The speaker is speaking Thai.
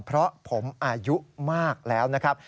เพราะผมอายุมากแล้วนะครับ